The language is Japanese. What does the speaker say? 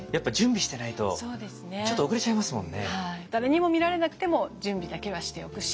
誰にも見られなくても準備だけはしておくし